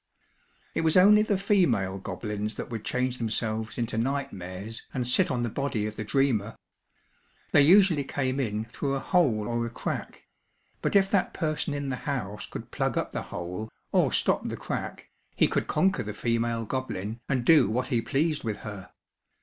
It was only the female goblins that would change themselves into night mares and sit on the body of the dreamer. They usually came in through a hole or a crack; but if that person in the house could plug up the hole, or stop the crack, he could conquer the female goblin, and do what he pleased with her.